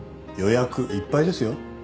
予約いっぱいですよ。